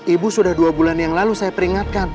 ibu sudah dua bulan yang lalu saya peringatkan